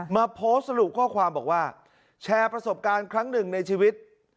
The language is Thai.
มาโพสต์สรุปข้อความบอกว่าแชร์ประสบการณ์ครั้งหนึ่งในชีวิต